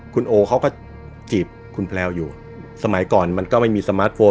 คุณโอเขาก็จีบคุณแพลวอยู่สมัยก่อนมันก็ไม่มีสมาร์ทโฟน